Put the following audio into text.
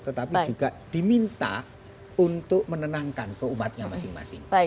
tetapi juga diminta untuk menenangkan keumatnya masing masing